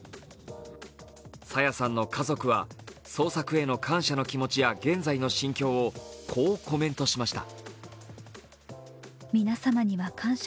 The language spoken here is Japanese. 朝芽さんの家族は、捜索への感謝の気持ちや現在の心境をこうコメントしました。